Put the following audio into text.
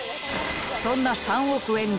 そんな３億円